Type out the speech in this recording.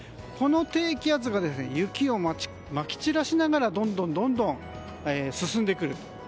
この低気圧が雪をまき散らしながらどんどん進んでくる。